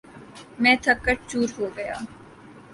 میں تھک کر چُور ہوگیا